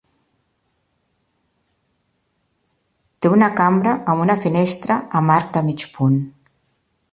Té una cambra amb una finestra amb arc de mig punt.